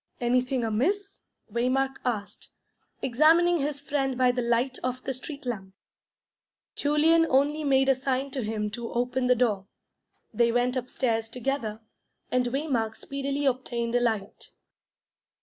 "Anything amiss?" Waymark asked, examining his friend by the light of the street lamp. Julian only made a sign to him to open the door. They went upstairs together, and Waymark speedily obtained a light.